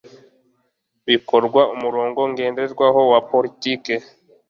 bikorwa umurongo ngenderwaho wa politiki